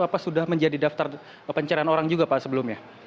apa sudah menjadi daftar pencarian orang juga pak sebelumnya